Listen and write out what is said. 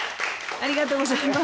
ありがとうございます。